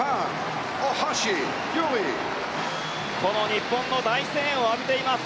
日本の大声援を浴びています